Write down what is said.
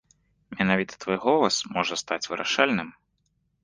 Менавіта твой голас можа стаць вырашальным!